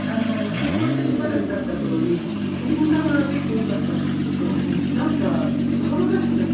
結婚してしばらく経った頃にけんかが結構多かったんですけどなんかバカバカしくなっちゃって。